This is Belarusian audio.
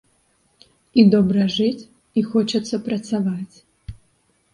І добра жыць, і хочацца працаваць.